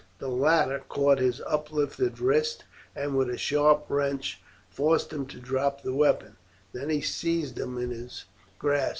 The latter caught his uplifted wrist, and with a sharp wrench forced him to drop the weapon; then he seized him in his grasp.